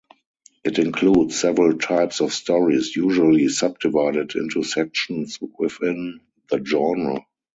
It includes several types of stories, usually subdivided into sections within the journal.